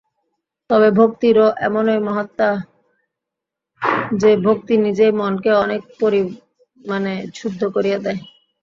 তবে ভক্তিরও এমনই মাহাত্ম্য যে, ভক্তি নিজেই মনকে অনেক পরিমাণে শুদ্ধ করিয়া দেয়।